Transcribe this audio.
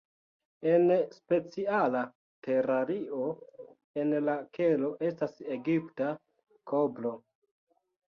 En speciala terario en la kelo estas egipta kobro.